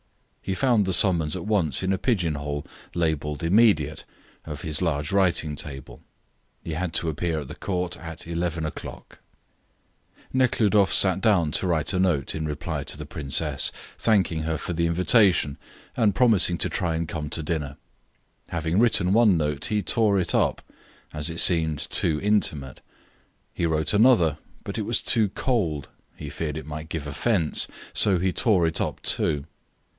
He found the summons at once in a pigeon hole, labelled "immediate," of his large writing table. He had to appear at the court at 11 o'clock. Nekhludoff sat down to write a note in reply to the princess, thanking her for the invitation, and promising to try and come to dinner. Having written one note, he tore it up, as it seemed too intimate. He wrote another, but it was too cold; he feared it might give offence, so he tore it up, too.